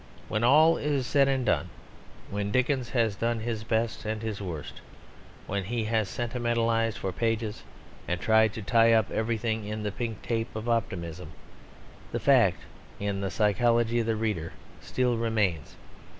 When all is said and done, when Dickens has done his best and his worst, when he has sentimentalised for pages and tried to tie up everything in the pink tape of optimism, the fact, in the psychology of the reader, still remains.